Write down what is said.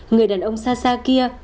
người đàn ông xa xa kia